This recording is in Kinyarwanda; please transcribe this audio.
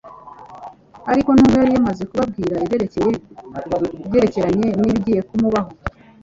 Ariko nubwo yari yamaze kubabwira ibyerekeranye n'ibigiye kumubaho,